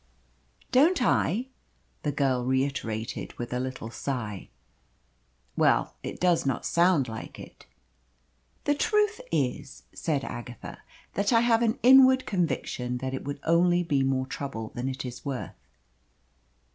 "Don't I?" the girl reiterated with a little sigh. "Well, it does not sound like it." "The truth is," said Agatha, "that I have an inward conviction that it would only be more trouble than it is worth."